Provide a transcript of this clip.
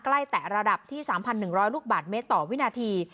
ใกล้แต่ระดับที่สามพันหนึ่งร้อยลูกบาทเมตรต่อวินาที